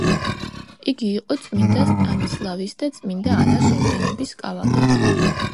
იგი იყო წმინდა სტანისლავის და წმინდა ანას ორდენების კავალერი.